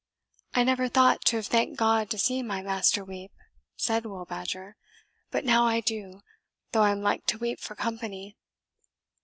"I ne'er thought to have thanked God to see my master weep," said Will Badger; "but now I do, though I am like to weep for company."